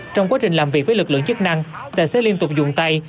trong quá trình làm việc với lực lượng chức năng tài xế liên tục dùng tay